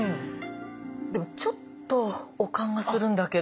でもちょっと悪寒がするんだけど。